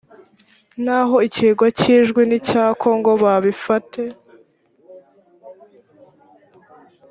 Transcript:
naho ikirwa k ijwi ni icya congo babifate